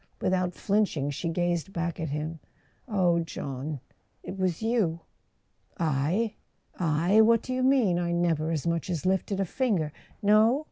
" Without flinching, she gazed back at him. "Oh, John—it was you !" "I—I? What do you mean? I never as much as lifted a finger " "No?"